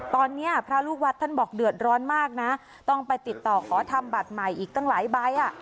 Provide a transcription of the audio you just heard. ตอนนี้พระลูกวัดท่านบอกเดือดร้อนมากนะต้องไปติดต่อขอทำบัตรใหม่อีกตั้งหลายใบอ่ะ